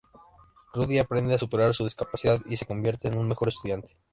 Rudy aprende a superar su discapacidad y se convierte en un mejor estudiante.